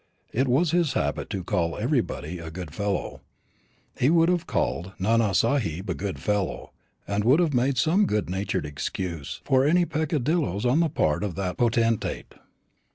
(It was his habit to call everybody a good fellow. He would have called Nana Sahib a good fellow, and would have made some good natured excuse for any peccadilloes on the part of that potentate).